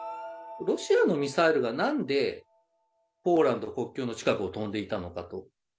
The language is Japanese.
ロシアのミサイルが、なんでポーランドの国境の近くを飛んでいたのかと。